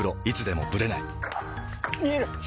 いつでもブレない見える！